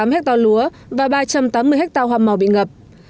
bảy trăm một mươi tám ha lúa và ba trăm tám mươi ha hoa màu bị ngập